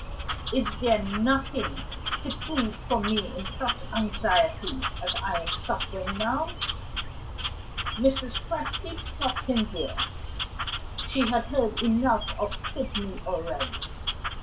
"Is there nothing to plead for me in such anxiety as I am suffering now?" Mrs. Presty stopped him there; she had heard enough of Sydney already.